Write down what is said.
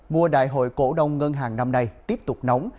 mùa đại hội cổ đông ngân hàng năm nay tiếp tục nóng